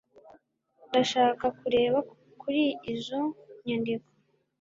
Ndashaka kureba kuri izo nyandiko.